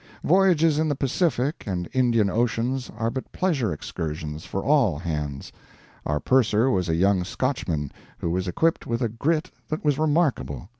Voyages in the Pacific and Indian Oceans are but pleasure excursions for all hands. Our purser was a young Scotchman who was equipped with a grit that was remarkable.